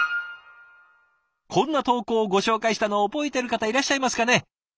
こんな投稿をご紹介したの覚えてる方いらっしゃいますかね？